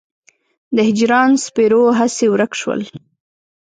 د هجران سپرو هسې ورک شول.